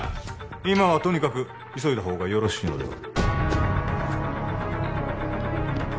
今はとにかく急いだほうがよろしいのでは？